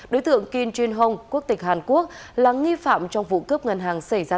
đối tượng kim trinh hồng quốc tịch hàn quốc là nghi phạm trong vụ cướp ngân hàng xảy ra